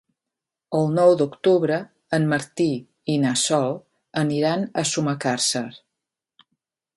El nou d'octubre en Martí i na Sol aniran a Sumacàrcer.